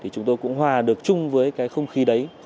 chúng tôi cũng hòa được chung với